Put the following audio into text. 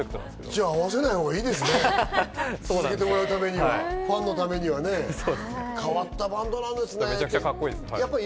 じゃあ会わせないほうがいいですね、続けてもらうために、ファンのために変わったバンドなめちゃくちゃカッコいいです。